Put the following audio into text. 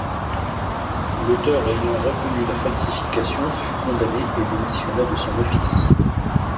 L'auteur ayant reconnu la falsification, fut condamné et démissionna de son office.